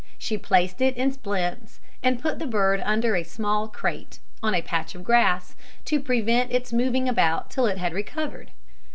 She placed it in splints, and put the bird under a small crate, on a patch of grass, to prevent its moving about till it had recovered.